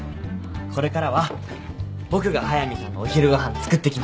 これからは僕が速見さんのお昼ご飯作ってきます。